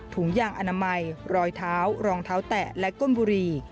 ถุงยางอนามัยรอยเท้ารองเท้าแตะและก้นบุหรี่